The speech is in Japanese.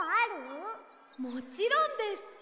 もちろんです。